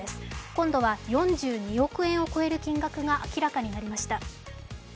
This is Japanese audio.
今度は４２億円を超える金額が明らかになりました。